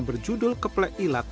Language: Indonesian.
berjudul keple ilat